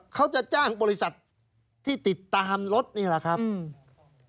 เขาจะจ้างบริษัทที่ติดตามรถนี่แหละครับอืม